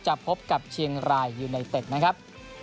พบกับเชียงรายยูไนเต็ดนะครับ